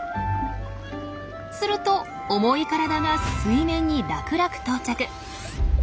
すると重い体が水面に楽々到着。